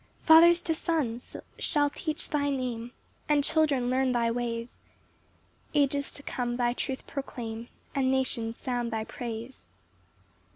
4 Fathers to Sons shall teach thy Name, And children learn thy ways; Ages to come thy truth proclaim, And nations sound thy praise.